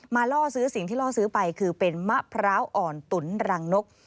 ล่อซื้อสิ่งที่ล่อซื้อไปคือเป็นมะพร้าวอ่อนตุ๋นรังนก